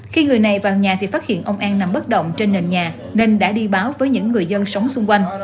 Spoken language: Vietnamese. khi người này vào nhà thì phát hiện ông an nằm bất động trên nền nhà nên đã đi báo với những người dân sống xung quanh